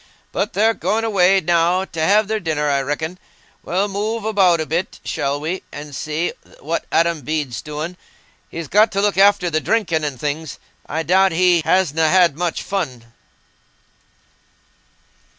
"But they're going away now, t' have their dinner, I reckon. We'll move about a bit, shall we, and see what Adam Bede's doing. He's got to look after the drinking and things: I doubt he hasna had much fun."